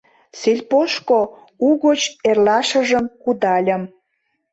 Сельпошко угыч эрлашыжым кудальым.